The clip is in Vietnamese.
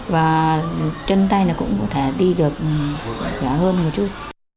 và chân tay cũng có thể đi được khỏe hơn một chút